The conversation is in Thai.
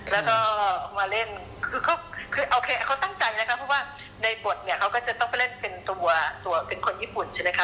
แล้วก็มาเล่นคือโอเคเขาตั้งใจนะคะเพราะว่าในบทเนี่ยเขาก็จะต้องไปเล่นเป็นตัวตัวเป็นคนญี่ปุ่นใช่ไหมคะ